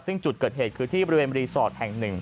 ซึ่งจุดเกิดเหตุคือที่บริเวณรีสอร์ทแห่ง๑